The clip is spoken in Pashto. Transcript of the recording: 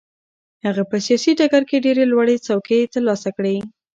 هغه په سیاسي ډګر کې ډېرې لوړې څوکې ترلاسه کړې.